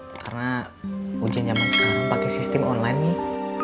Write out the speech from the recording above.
karena ujian zaman sekarang pake sistem online nih